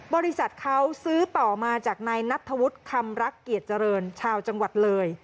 บริษัทเขาซื้อต่อมาจากนายนัทธวุฒิคำรักเกียรติเจริญชาวจังหวัดเลย